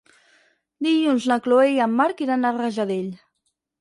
Dilluns na Chloé i en Marc iran a Rajadell.